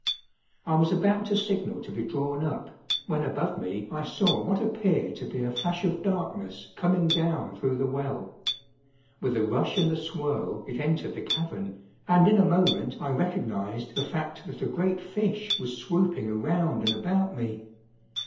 I was about to signal to be drawn up, when above me I saw what appeared to be a flash of darkness coming down through the well. With a rush and a swirl it entered the cavern, and in a moment I recognized the fact that a great fish was swooping around and about me.